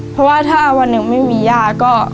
เพราะว่าถ้าวันหนึ่งไม่มีย่าก็